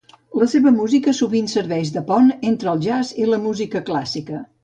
La seva música sovint serveix de pont entre el jazz i la música clàssica.